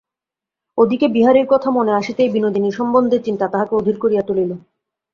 ও দিকে বিহারীর কথা মনে আসিতেই বিনোদিনী সম্বন্ধে চিন্তা তাহাকে অধীর করিয়া তুলিল।